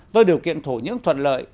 do điều kiện thổ những thuận lợi